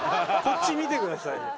こっち見てくださいよ。